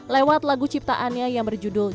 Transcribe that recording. lewat lagu ciptaannya yang berjudul